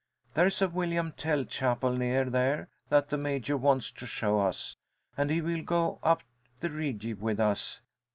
There is a William Tell chapel near there that the Major wants to show us, and he will go up the Rigi with us.